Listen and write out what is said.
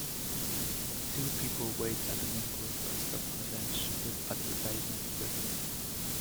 Two people wait at an enclosed bus stop on a bench with advertisement present.